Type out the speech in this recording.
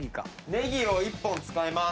ネギを１本使います。